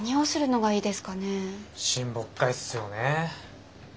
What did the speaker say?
親睦会っすよね。